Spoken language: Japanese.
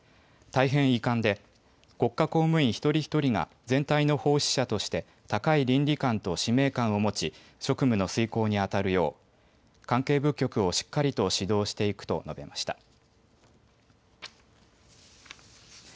大変遺憾で、国家公務員一人一人が全体の奉仕者として、高い倫理観と使命感を持ち、職務の遂行に当たるよう、関係部局をしっかりと指導していくと述べました。